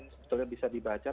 sebetulnya bisa dibaca